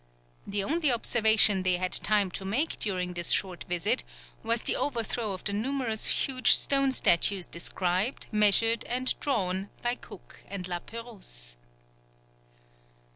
The only observation they had time to make during this short visit, was the overthrow of the numerous huge stone statues described, measured, and drawn, by Cook and La Pérouse.